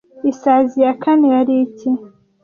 Isazi ya kane yari iki